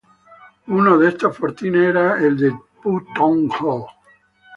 Uno de estos fortines era el de Phu Tong Hog.